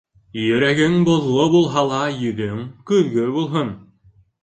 Йөрәгең боҙло булһа ла, йөҙөң көҙгө булһын.